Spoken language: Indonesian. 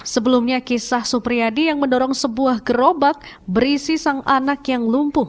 sebelumnya kisah supriyadi yang mendorong sebuah gerobak berisi sang anak yang lumpuh